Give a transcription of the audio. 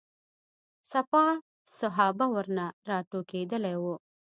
سپاه صحابه ورنه راټوکېدلي وو.